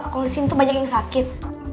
kalau disini tuh banyak yang sakit